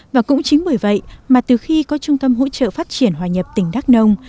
và cũng chính bởi vậy mà từ khi có trung tâm hỗ trợ phát triển hòa nhập tỉnh đắk nông